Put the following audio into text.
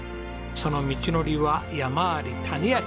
その道のりは山あり谷あり。